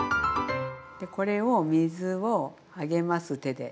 これを水を上げます手で。